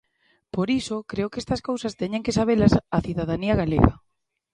Por iso, creo que estas cousas teñen que sabelas a cidadanía galega.